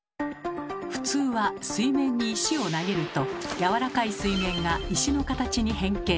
普通は水面に石を投げるとやわらかい水面が石の形に変形。